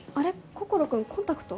心君コンタクト？